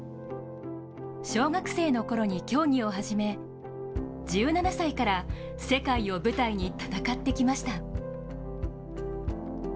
小学生のころに競技を始め１７歳から世界を舞台に戦ってきました。